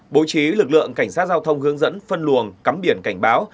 bố trí lực lượng cảnh sát giao thông hướng dẫn phân luồng cắm biển cảnh báo